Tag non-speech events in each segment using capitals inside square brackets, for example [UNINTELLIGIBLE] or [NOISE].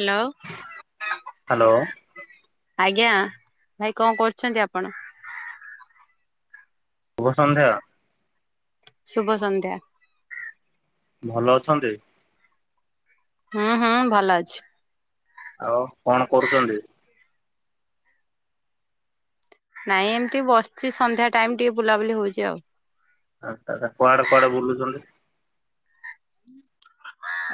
Hello. Hello. ଆଜ୍ଞା ଭାଇ କଣ କରୁଛନ୍ତି ଆପଣ? ଶୁଭ ସନ୍ଧ୍ୟା। ଶୁଭ ସନ୍ଧ୍ୟା। ଭଲ ଅଛନ୍ତି? ହୁଁ ହୁଁ ଭଲ ଅଛି। ଆଉ କଣ କରୁଛନ୍ତି? ନାଇଁ ଏମିତି ବସିଛି ସନ୍ଧ୍ୟା ଟାଇମ ଟିକେ ବୁଲାବୁଲି ହଉଛି ଆଉ। ଆଚ କୁଆଡେ କୁଆଡେ ବୁଲୁଛନ୍ତି?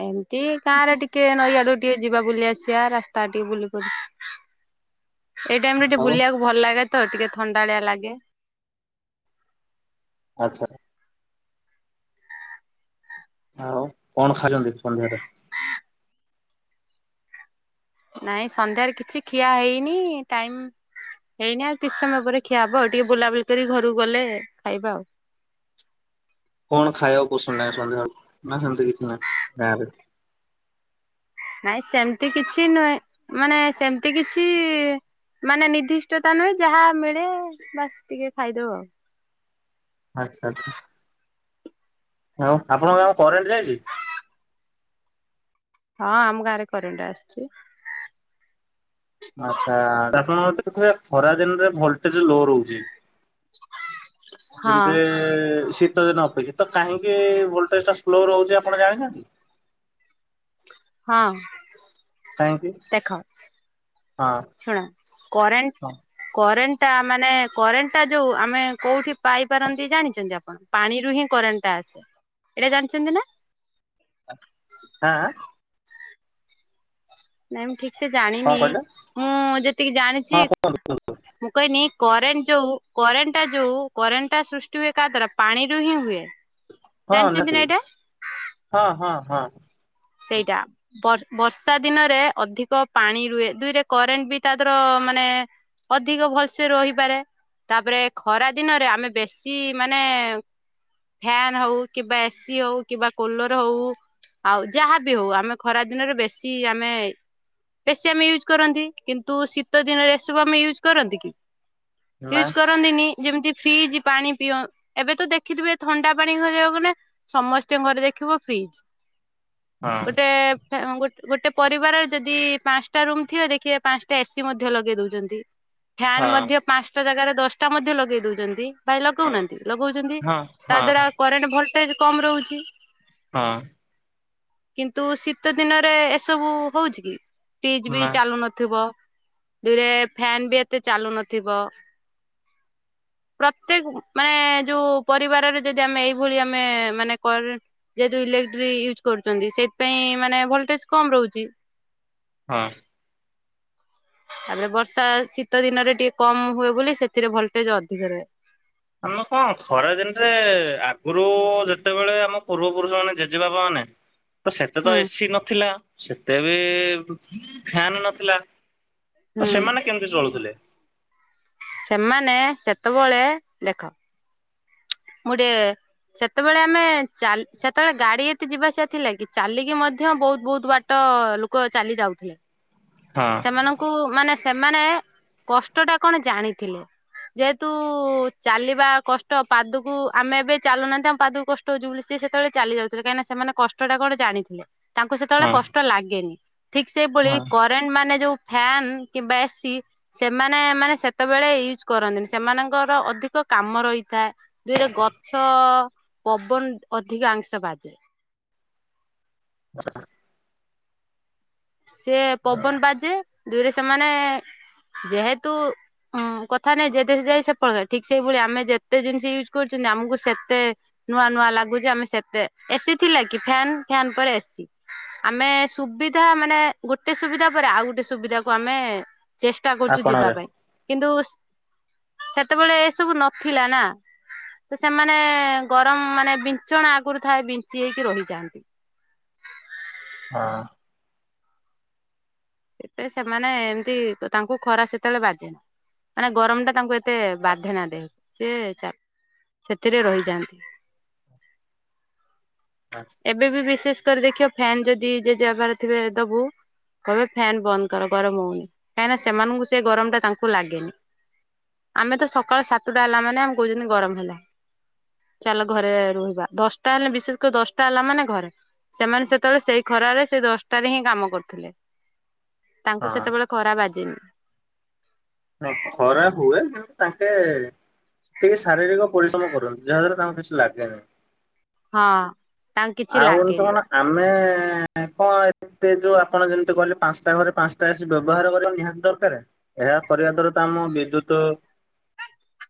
ଏମିତି ଗାଁରେ ଟିକେ ନଈଆଡୁ ଟିକେ ଯିବା ବୁଲି ଆସିବା ରାସ୍ତା ଟିକେ ବୁଲି ପ ଏଇ ଟାଇମରେ ଟିକେ ଆଉ ବୁଲିବାକୁ ଭଲ ଲାଗେ ତ ଟିକେ ଥଣ୍ଡାଳିଆ ଲାଗେ। ଆଚ୍ଛା। ଆଉ କଣ ଖାଇଛନ୍ତି ସନ୍ଧ୍ୟାରେ? ନାଇଁ ସନ୍ଧ୍ୟାରେ କିଛି ଖିଆ ହେଇନି ଟାଇମ୍ ହେଇନି ଆଉ କିଛି ସମୟ ପରେ ଖିଆ ହବ ଆଉ ଟିକେ ବୁଲାବୁଲି କରି ଘରକୁ ଗଲେ ଖାଇବା ଆଉ। କଣ ଖାଇବା କୁ ଶୁଣିଲେ ନା ସେମିତି କିଛି ନାହିଁ ଗାଁରେ ନାଇଁ ସେମିତି କିଛି ନୁହେଁ ମାନେ ସେମିତି କିଛି ମାନେ ନିର୍ଦ୍ଦିଷ୍ଟତା ନୁହେଁ ଯାହା ମିଳେ ବାସ ଟିକେ ଫାଇଦୋଉ ଆଉ। ଆଚ୍ଛା ଆଚ୍ଛା। ଆଉ ଆପଣଙ୍କ ଗାଁକୁ କରେଣ୍ଟ ଯାଇଚି? ହଁ ଆମ ଗାଁ ରେ କରେଣ୍ଟ ଆସିଚି। ଆଚ୍ଛା ଆପଣ ଦେଖ ଖରା ଦିନରେ ଭଲଟେଜ ଲୋ ରହୁଚି। ଯେମତି ହଁ ସେ ତ ଦିନ ଅପେକ୍ଷା ତ କାହିଁକି ଭୋଲ୍ଟେଜ ଟଟା ସ୍ଲୋ ରହୁଛି ଆପଣ ଜାଣିଚନ୍ତି? ହଁ କାହିଁକି ଦେଖ ହଁ। ଶୁଣ ହଁ କରେଣ୍ଟ କରେଣ୍ଟ ଟା ମାନେ କରେଣ୍ଟ ଟା ଯୋଉ ଆମେ କୋଉଠି ପାଇପାରନ୍ତି ଜାଣିଛନ୍ତି ଆପଣ? ପାଣିରୁ ହିଁ କରେଣ୍ଟ ଟା ଆସେ ଏଇଟା ଜାଣିଚନ୍ତି ନା। [UNINTELLIGIBLE] ନାଇଁ ମୁଁ ଠିକ ସେ ଜାଣିନି କଣ କହିଲେ ମୁଁ ଯେତିକି ଜାଣିଚି ହଁ ମୁଁ କନି କରେଣ୍ଟ ଯୋଉ କରେଣ୍ଟ ଟା ଯୋଉ କରେଣ୍ଟ ଟା ସୃଷ୍ଟି ହୁଏ କାହା ଦ୍ଵାରା ପାଣିରୁ ହିଁ ହୁଏ। [UNINTELLIGIBLE] ହଁ ନିଆତି ନା ଏଇଟା? ହଁ ହଁ ହଁ। ସେଇଟା। ବର୍ଷା ଦିନରେ ଅଧିକ ପାଣି ରୁହେ ଦୁଇରେ କରେଣ୍ଟ ବି ତାଦର ମାନେ ଅଧିକ ଭଲସେ ରହିପାରେ। ତାପରେ ଖରା ଦିନରେ ଆମେ ବେଶୀ ମାନେ ଫ୍ୟାନ ହଉ କିମ୍ବା ଏସିି ହଉ କିମ୍ବା କୁଲର ହଉ ଆଉ ଯାହା ବିି ହଉ ଆମେ ଖରା ଦିନରେ ବେଶୀ ଆମେ ବେଶୀ ଆମେ ୟୁଜ୍ କରନ୍ତି କିନ୍ତୁ ଶୀତ ଦିନରେ ଏସବୁ ଆମେ ୟୁଜ୍ କରନ୍ତି କି ନାଇଁ ୟୁଜ୍ କରନ୍ତିନି ଯେମିତି ଫ୍ରିଜ ପାଣି ପିଅ ଏବେ ତ ଦେଖିଥିବେ ଥଣ୍ଡା ପାଣି ଘିବାକୁ ଗଲେ ସମସ୍ତେଙ୍କ ଘରେ ଦେଖିବ ଫ୍ରିଜ୍। ହଁ ଗୋଟେ ଆଙ୍ଗୁ ଗୋଟେ ପରିବାର ଯଦି ପାଞ୍ଚଟା ରୁମ୍ ଥିବ ଦେଖିବେ ପାଞ୍ଚଟା ଏସିି ମଧ୍ୟ ଲଗେଇ ଦଉଚନ୍ତି। ଫ୍ୟାନ୍ ହଁ ମଧ୍ୟ ପାଞ୍ଚଟା ଜାଗାରେ ଦଶଟା ମଧ୍ୟ ଲଗେଇ ଦଉଚନ୍ତି। ଭାଇ ହଁ ଲଗଉନାହାନ୍ତି ଲଗଉଛନ୍ତି ହଁ ତା ହଁ ଦ୍ଵାରା କରେଣ୍ଟ ଭୋଲଟେଜ କମ ରହୁଚି। ହଁ କିନ୍ତୁ ଶୀତ ଦିନରେ ଏସବୁ ହଉଛି କି ଫ୍ରିଜ ବି ନା ଚାଲୁନ ଥୁବ ଦୁରେ ଫ୍ୟାନ ବି ଏତେ ଚାଲୁ ନଥିବ। ପ୍ରତ୍ୟେକ ମାନେ ଯୋଉ ପରିବାରରେ ଯଦି ଆମେ ଏଇଭଳି ଆମେ ମାନେ କର୍ ଯେତୁ ଇଲେକ୍ଟ୍ର ୟୁଜ କରୁଛନ୍ତି ସେଥିପାଇଁ ମାନେ ଭୋଲଟେଜ କମ ରହୁଚି। ହଁ ତାପରେ ବର୍ଷା ଶୀତ ଦିନରେ ଟିକେ କମ ହୁଏ ବୋଲି ସେଥିରେ ଭୋଲଟେଜ ଅଧିକ ରୁହେ। ଆମେ କଣ ଖରାଦିନରେ ଆଗରୁ ଯେତେବେଳେ ଆମ ପୂର୍ବ ପୁରୁଷ ମାନେ ଜେଜେବାପା ମାନେ ତ ସେତେ ତ ହୁଁ ଏସି ନଥିଲା ସେତେ ବି ଫ୍ୟାନ ନଥିଲା। ତ ହୁଁ ସେମାନେ କେମିତି ଚଳୁଥିଲେ? ସେମାନେ ସେତେବେଳେ ଦେଖ। ମୁଡେ ସେତେବେଳେ ଆମେ ଚା ସେତେବେଳେ ଗାଡି ଏତେ ଯିବା ଆସିବା ଥିଲା କି ଚାଲିକି ମଧ୍ୟ ବହୁତ ବହୁତ ବାଟ ଛଟ ଲୋକ ଚାଲି ଯାଉଥିଲେ ହଁ ସେମାନଙ୍କୁ କୁ ମାନେ ସେମାନେ କଷ୍ଟ ଟା କଣ ଜାଣିଥିଲେ। ଯେହେତୁ ଚାଲିବା କଷ୍ଟ ପାଦୁ ଆମେ ଏବେ ଚାଲୁନାହାନ୍ତି ଆମ ପାଦକୁ କଷ୍ଟ ହଉ ବୋଲି ସେତେବେଳେ ଚାଲି ଯାଉଥିଲେ କାଁହିକି ନା ସେମାନେ କଷ୍ଟଟା କଣ ଜାଣି ଥିଲେ ତାଙ୍କୁ ସେତେବେଳେ ହଁ କଷ୍ଟ ଲାଗେନି ଠିକ ସେଭଳି ହଁ ଫେଣ୍ଡ ମାନେ ଯୋଉ ଫ୍ୟାନ କିମ୍ବା ଏସି ସେମାନେ ମାନେ ସେତେବେଳେ ୟୁଜ କରନ୍ତିନି ସେମାନଙ୍କର ଅଧିକ କାମ ରହିଥାଏ। ଦୁଇରେ ଗଛ ପବନ ଅଧିକ ଅଧିକାଂଶ ବାଜେ [UNINTELLIGIBLE] ସେ ପବନ ବାଜେ ଦୁଇରେ ସେମାନେ ଯେହେତୁ ହଁ କଥା ନାଇଁ ଯେ ଦେଶ ଯାଇ ସେ ଫଳ ଖାଇ ଠିକ ସେଇଭଳିଆ ଆମେ ଯେତେ ଜିନିଷ ୟୁଜ୍ କରୁଛନ୍ତି ଆମକୁ ସେତେ ନୂଆ ନୂଆ ଲାଗୁଛି ଆମେ ସେତେ ଏସି ଥିଲା କି ଫ୍ୟନ୍ ଫ୍ୟାନ ପରେ ଏସି ଆମେ ସୁବି ଯହା ମାନେ ଗୋଟେ ସୁବିଧା ପରେ ଆଉ ଗୋଟେ ସୁବିଧାକୁ ଆମେ ଚେଷ୍ଟା କରୁଛୁ ଯିବା ଆପଣରେ ପାଇଁ କିନ୍ତୁ ସେତେବେଳେ ଏ ସବୁ ନଥିଲା ନା। ତ ସେମାନେ ଗରମ ମାନେ ବିଞ୍ଚଣା ଆଗରୁ ଥାଏ ବିଞ୍ଚି ହେଇକି ରହିଯାଆନ୍ତି। ହଁ ସେଥି ସେମାନେ ଏମିତି ତାଙ୍କୁ ଖରା ସେତେବେଳେ ବାଜେନି। ମାନେ ଗରମଟା ତାଙ୍କୁ ଏତେ ବାଧେନା ଦେହକୁ ସିଏ ଚା ସେଥିରେ ରହିଯାଆନ୍ତି। ଆଛ୍ ଏବେ ବି ବିଶେଷ କରି ଦେଖିବ ଫ୍ୟନ୍ ଯଦି ଜେଜେବାପାର ଥିବେ ଦୋବୁ କହିବେ ଫ୍ୟାନ୍ ବନ୍ଦ କର ଗରମ ହୋଉନି କାହିଁକିନା ସେମାନଙ୍କୁ ସେ ଗରମଟା ତାଙ୍କୁ ଲାଗେନି। ଆମେ ତ ସକାଳ ସାତୁଟା ହେଲା ମାନେ ଆମେ କୋହୁଚନ୍ତି ଗରମ ହେଲା ଚାଲ ଘରେ ରହିବା ଦଶଟା ହେଲେ ବିଶେଷ କରି ଦଶ ଟା ହେଲା ମାନେ ଘରେ ସେମାନେ ସେତେବେଳେ ସେଇ ଖରାରେ ସେଇ ଦଶଟାରେ ହିଁ କାମ କରୁଥୁଲେ। ତାଙ୍କୁ ହଁ ସେତେବେଳ ଖରା ବାଜେନି। ନା ଖରା ହୁଏ କିନ୍ତୁ ତାଙ୍କେ ଟିକେ ଶାରୀରିକ ପରିଶ୍ରମ କରୁଚନ୍ତି ଯାହାଦ୍ଵାରା ତାଙ୍କୁ କିଛି ଲାଗେନି। ହଁ ତାଙ୍କୁ କିଛି ଆଉ ଜିନିଷ ଲାଗେନି। କଣ ଆମେ ଏଁ କଁଣ ଏତେ ଯୋଉ ଆପଣ ଯେମତି କହିଲେ ପାଞ୍ଚଟା ଘରେ ପାଞ୍ଚଟା ଏ ସି ବ୍ୟବହାର କରିବା ନିହାତି ଦରକାରେ ଏହା କରିବା ଦ୍ୱାରା ତ ଆମ ବିଦ୍ୟୁତ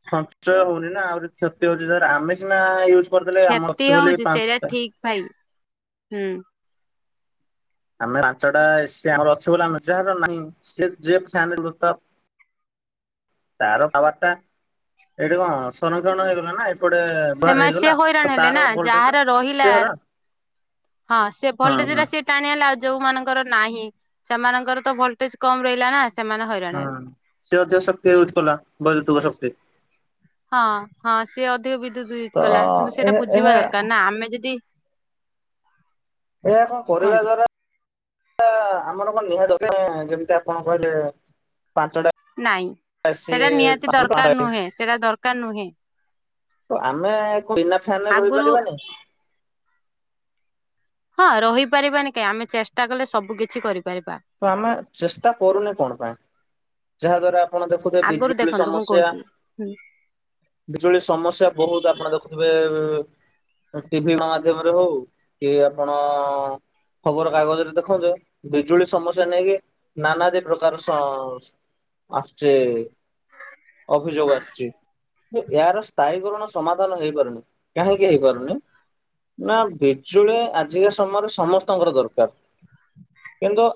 ସଞ୍ଚୟ ହୋଉନି ନା ଆହୁରି କ୍ଷତି ହୋଉଚି ସେରା ଆମେ ସିନା ୟୁଜ୍ କରଦେଲେ ଆମର କ୍ଷତି ଅଛି ବୋଲି ହଉଛି ସେଇଟା ପାଞ୍ଚଟା। ଠିକ ଭାଇ ହୁଁ। ଆମେ ପାଞ୍ଚଟା ଏ ସି ଆମର ଅଛ ବୋଲି ଆମେ ଯାହାର ନାହିଁ ସିଏ ଯିଏ ଫ୍ୟାମିଲିରୁ ତ ତାର ପାୱାରଟା ଏଇଠି କଣ ସଂରକ୍ଷଣ ହେଇଗଲା ନା ଏ ପଟେ ବାହାର ସେମାନେ ସେ ହେଇଗଲା ହଇରାଣ ତ ହେଲେ ନା ତାର ଭୋଲ୍ଟେଜର ଯାହାର ରହିଲା ସିଏ ହେରା ହଁ ସିଏ ଭୋଲରେଜେରା ସିଏ ଟାଣି ହେଲା ଆଉ ଯୋଉ ମାନଙ୍କର ନାହିଁ ସେମାନଙ୍କର ତ ଭୋଲଟେଜ କମ ରହିଲା ନା ସେମାନେ ହଇ ହଁ ସେ ଅଧିକ ଶକ୍ତି ୟୁଜ କଲା ବୈଦ୍ୟୁତୁକ ଶକ୍ତି। ହଁ ହଁ ସିଏ ଅଧିକ ବିଦ୍ୟୁତ ୟୁଜ ତ କଲା କିନ୍ତୁ ସେଇଟା ବୁଝିବା ଏହା ଦରକାର ନା ଆମେ ଯଦି ଏଇଆ କଣ କରିବା କୁହନ୍ତୁ ଦ୍ଵାରା ଆ ଆମର କଣ ନିହାତି ଦରକାରେ ଯେମିତି ଆପଣ କହିଲେ ପାଞ୍ଚଟା ନାଇଁ ଆସି ସେଟା ନିହାତି ପାଞ୍ଚରୁ ପାଞ୍ଚଟା ଦରକାର ଆସି ନୁହେଁ ସେଟା ଦରକାର ନୁହେଁ। ତ ଆମେ କଁ ବିନା ଫ୍ୟାନରେ ଆଗରୁ ରହିପାରିବାନି। ହଁ ରହିପାରିବାନି କାଇଁ ଆମେ ଚେଷ୍ଟା କଲେ ସବୁ କିଛି କରିପାରିବା। ତ ଆମେ ଚେଷ୍ଟା କରୁନେ କଣ ପାଇଁ ଯାହା ଦ୍ଵାରା ଆପଣ ଦେଖ୍ ବୋଧେ ଆଗରୁ ବିଜୁଳି ଦେଖନ୍ତୁ ମୁଁ ସମସ୍ୟା କହୁଛି। ହୁଁ ବିଜୁଳି ସମସ୍ୟା ବୋହୁତ ଆପଣ ଦେଖୁଥୁବେ ଏ ଏ ଟିଭି ମାଧ୍ୟମରେ ହୋଉ କି ଆପଣ ଖବର କାଗଜରେ ଦେଖନ୍ତୁ ବିଜୁଳି ସମସ୍ୟା ନେଇକି ନାନାଦି ପ୍ରକାର ସ ଆସଚି ଅଭିଯୋଗ ଆସଚି। ଯେ ୟାର ସ୍ଥାୟୀକରଣ ସମାଧାନ ହେଇପାରୁନି କାହିଁକି ହେଇପାରୁନି ନା ବିଜୁଳି ଆଜିକା ସମୟରେ ସମସ୍ତଙ୍କର ଦରକାର କିନ୍ତୁ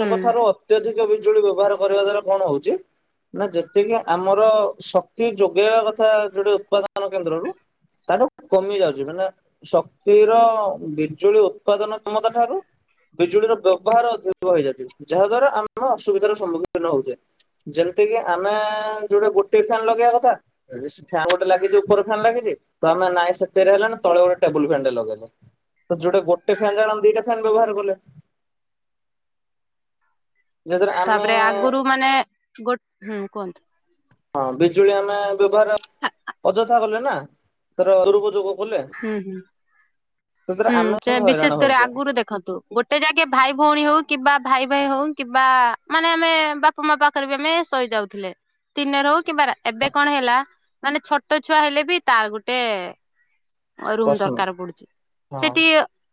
ହୁଁ ଅତ୍ୟଧିକ ବିଜୁଳି ବ୍ୟବହାର କରିବା ଦ୍ଵାରା କଣ ହୋଉଚି ନା ଯେତିକି ଆମର ଶକ୍ତି ଯୋଗେଇବା କଥା ଯୋଉଟାକି ଉତ୍ପାଦନ କେନ୍ଦ୍ରରୁ ତାଠୁ କମି ଯାଉଚି ମାନେ ଶକ୍ତିର ବିଜୁଳି ଉତ୍ପାଦନ କ୍ଷମତା ଠାରୁ ବିଜୁଳିର ବ୍ୟବହାର ଅଧିକ ବ ହେଇ [UNINTELLIGIBLE] ଯାହାଦ୍ୱାରା ଆମେ ଅସୁବିଧାର ସମ୍ମୁଖୀନ ହୋଉଚେ। ଯେମତିକି ଆମେ ଯୋଉଠି ଗୋଟେ ଫ୍ୟାନ୍ ଲଗେଇବା କଥା ହେଠି ସେ ଫ୍ୟାନ୍ ଗୋଟେ ଲାଗିଚି ଉପର ଫ୍ୟାନ୍ ଲାଗିଚି ତ ଆମେ ନାଇଁ ସେତିକିରେ ହେଲା ନା ତଳେ ଗୋଟେ ଟେବୁଲ ଫ୍ୟାନଟେ ଲଗେଇଲେ। ତ ଯୋଉଟା ଗୋଟେ ଫ୍ୟାନ୍ ଜାଣନ୍ ଦିଇଟା ଫ୍ୟାନ୍ ବ୍ୟବହାର କଲେ। ଯଦ୍ୱାରା ଆମେ ତାପରେ ଆଗରୁ ମାନେ ଗୋ ହୁଁ କୁହନ୍ତୁ। ହଁ ବିଜୁଳି ଆମେ ବ୍ୟବହାର ଅଯଥା କଲେ ନା ତାର ଦୁରୁପଯୋଗ କଲେ ହୁଁ ହୁଁ ସେଥିରେ ହୁଁ ଆମେ ହିଁ ସେ ହଇରାଣ ବିଶେଷ କରି ହଉଛେ ଆଗରୁ ଦେଖନ୍ତୁ ଗୋଟେ ଜାଗେ ଭାଇ ଭଉଣୀ ହଉ କିମ୍ବା ଭାଇ ଭାଇ ହଉ କିମ୍ବା ମାନେ ଆମେ ବାପା ମାଆ ପାଖରେ ବି ଆମେ ଶୋଇଯାଉଥିଲେ। ଦିନରେ ହଉ କିମ୍ବା ରା ଏବେ କଣ ହେଲା ମାନେ ଛୋଟ ଛୁଆ ହେଲେ ବି ତାର ଗୋଟେ ଅ ରୁମ ପ୍ରଶ୍ନ ଦରକାର ପଡୁଛି ହଁ। ସେଠି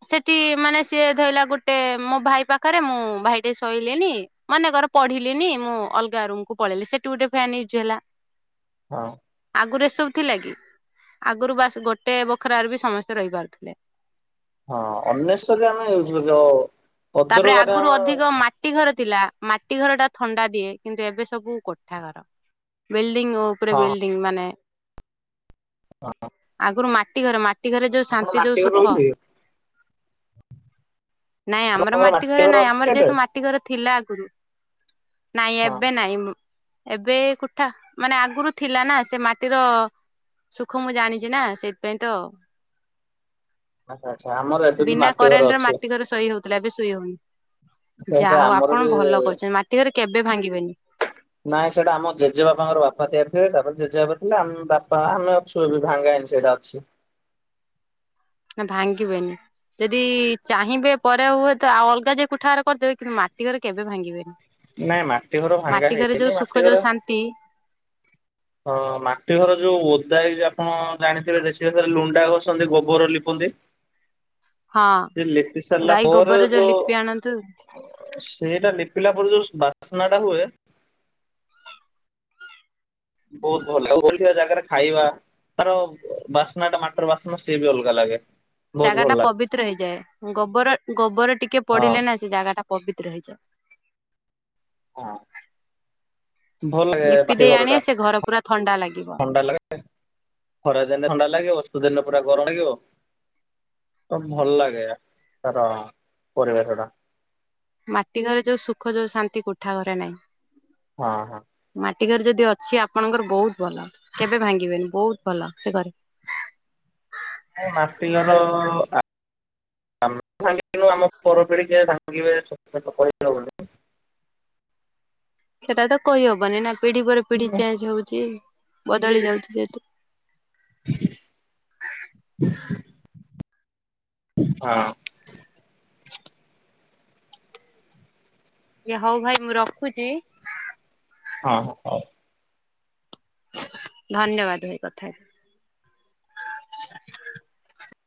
ସେଠି ମାନେ ସିଏ ଧଇଲା ଗୋଟେ ମୋ ଭାଇ ପାଖରେ ମୁଁ ଭାଇଟେ ଶୋଇଲେନି ମନେକର ପଢିଲିନି ମୁଁ ଅଲଗା ରୁମକୁ ପଳେଇଲି ସେଠି ଗୋଟେ ଫ୍ୟାନ ୟୁଜ ହେଲା। ହଁ। ଆଗୁରୁ ଏ ସବୁ ଥିଲା କି ଆଗରୁ ବାସ୍ ଗୋଟେ ବଖରାରେ ବି ସମସ୍ତେ ରହିପାରୁଥିଲେ। ହଁ ଅନେସେରୀ ରେ ଆମେ ୟୁଜ କ ଯୋଉ ତାପରେ ଆଗରୁ ଅଧିକ ମା ଟି ଘର ଥିଲା ମାଟି ଘର ଟା ଥଣ୍ଡା ଦିଏ କିନ୍ତୁ ଏବେ ସବୁ କୋଠା ଘର ବିଲ୍ଡିଙ୍ଗ ଓ ପରେ ହଁ ବିଲ୍ଡିଂ ମାନେ ହଁ। ଆଗରୁ ମାଟି ଘର ମାଟି ଘରେ ଯୋଉ ଆପଣ ଶାନ୍ତି ଯୋଉ ମାଟି ଘରେ ସୁଖ ରହୁଛନ୍ତି ନାଇଁ ଆମର ଆପଣଙ୍କର ମାଟି ଘରେ ଘର ନାଇଁ ଅଛି ଆମର ଏବେ ଯେହେତୁ ମାଟି ମାଟି ଘର ଥିଲା ଆଗରୁ ନାଇଁ ହଁ। ଏବେ ନାଇଁ ମୁ ଏବେ କୋଠା ମାନେ ଆଗରୁ ଥିଲା ନା ସେ ମାଟିର ସୁଖ ମୁଁ ଜାଣିଛି ନା ସେଇଥିପାଇଁ ତ ଆଛା ଆଚ୍ଛା ଆମର ଏବେବି ବିନା ମାଟି କରେଣ୍ଟ ଘର ରେ ଅଛି। ମାଟି ଘରେ ଶୋଇ ହଉଥିଲା ଏବେ ଶୋଇ ହଉନି ସେଇଟା ଯାହା ହଉ ଆମର ଆପଣ ବି ଭଲ କରୁଛନ୍ତି ମାଟି ଘରେ କେବେ ଭାଙ୍ଗିବେନି। ନାଇଁ ସେଟା ଆମ ଜେଜେବାପାଙ୍କର ବାପା ତିଆରି ଥିଲେ ତାପରେ ଜେଜେବାପା ଥିଲେ ଆମ ବାପା ଆମେ ଶୋଇବୁ ଭାଙ୍ଗାହେଇନି ସେଇଟା ଅଛି। ନା ଭାଙ୍ଗିବେନି। ଯଦି ଚାହିଁବେ ପରେ ହୁଏ ତ ଆଉ ଅଲଗା ଜାଗା କୁଠାଘର କରିଦେବେ କିନ୍ତୁ ମାଟି ଘର କେବେ ଭାଙ୍ଗିବେନି। ନାଇଁ ମାଟି ଘର ଭାଙ୍ଗା ମାଟି ଘରେ ଯୋଉ ହେଇନି ସୁଖ ମାଟି ଯୋଉ ଘର ଶାନ୍ତି ହଁ ମାଟି ଘର ଯୋଉ ଓଦା ହେଇଯ ଆପଣ ଜାଣିଥିବେ ବି ସେଥିରେ ଲୁଣ୍ଡା ଘଷନ୍ତି ଗୋବର ଲିପନ୍ତି। ହଁ ସେ ଲିପି ସାରିଲା ଗାଈ ପରେ ଗୋବରରେ ଯୋଉ ଲିପି ଆଣନ୍ତି ସେଇଟା ଲିପିଲା ପରେ ଯୋଉ ବାସ୍ନା ଟା ହୁଏ ବହୁତ ଭଲ ଲାଗେ [UNINTELLIGIBLE] ଜାଗାରେ ଖାଇବା ତାର ବାସ୍ନା ଟା ମାଟିର ବାସ୍ନାଟା ସିଏ ବି ଅଲଗା ଲାଗେ। ବହୁତ ଜାଗା ଭଲ ଟା ଲାଗେ ପବିତ୍ର ହେଇଯାଏ ଗୋବର ଗୋବର ଟିକେ ହଁ। ପଡିଲେ ନା ସେ ଜାଗା ଟା ପବିତ୍ର ହେଇଯାଏ। ହଁ ଭଲ ଲାଗେ ଲିପି ମାଟି ଦେଇ ଘର ଆଣିବେ ଟା ସେ ପୁରା ଥଣ୍ଡା ଲାଗିବ। ଥଣ୍ଡା ଲାଗେ। ଖରାଦିନେ ଥଣ୍ଡା ଲାଗିବ ବର୍ଷା ଦିନରେ ପୁରା ଗରମ ଲାଗିବ। ତ ଭଲ ଲାଗେ ତାର ପରିବେଶ ଟା। ମାଟି ଘରେ ଯୋଉ ସୁଖ ଯୋଉ ଶାନ୍ତି କୋଠା ଘରେ ନାହିଁ। ହଁ ହଁ। ମାଟି ଘର ଯଦି ଅଛି ଆପଣଙ୍କର ବହୁତ ଭଲ କେବେ ଭାଙ୍ଗିବେନି ବହୁତ ଭଲ ସେ ଘରେ। ମୁଁ ମାଟି ଘର ଆ [UNINTELLIGIBLE] ସେଟା ତ କହିହବନି ନା ପିଢି ପରେ ପିଢି ଚେଞ୍ଜ ହଉଛି ବଦଳି ଯାଉଛି ଯେହେତୁ। ହଁ। ଆଜ୍ଞା ହଉ ଭାଇ ମୁଁ ରଖୁଚି। ହଁ ହ ହଉ। ଧନ୍ୟବାଦ ଭାଇ ଥାଇ